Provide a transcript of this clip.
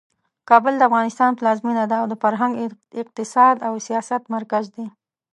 کابل د افغانستان پلازمینه ده او د فرهنګ، اقتصاد او سیاست مرکز دی.